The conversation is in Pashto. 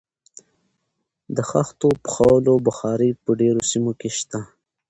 د خښتو پخولو بخارۍ په ډیرو سیمو کې شته.